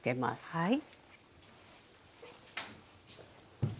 はい。